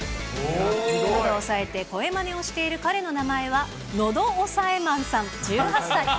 のどを押さえて声まねをしている彼の名前は喉押さえマンさん１８歳。